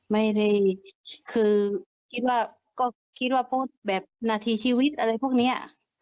ไม่ได้คือคิดว่าก็คิดว่าโพสต์แบบนาทีชีวิตอะไรพวกเนี้ย